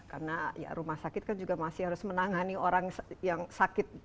karena rumah sakit kan juga masih harus menangani orang yang sakit